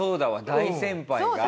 大先輩が。